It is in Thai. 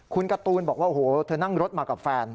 คุณการ์ตูนบอกว่าโอ้โหเธอนั่งรถมากับแฟน